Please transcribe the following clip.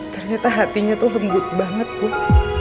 ternyata hatinya tuh lembut banget tuh